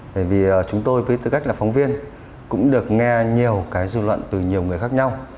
bởi vì chúng tôi với tư cách là phóng viên cũng được nghe nhiều cái dư luận từ nhiều người khác nhau